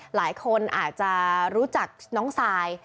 หลายคนอาจจะรู้จักน้องซาย